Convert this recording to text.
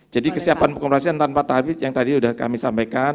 jadi kesiapan pengoperasian tanpa tahap yang tadi sudah kami sampaikan